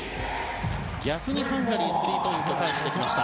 逆にハンガリースリーポイントを返してきました。